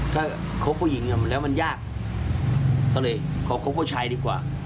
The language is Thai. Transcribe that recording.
ถ้าคบผู้หญิงแล้วมันยากก็เลยขอคบผู้ชายดีกว่า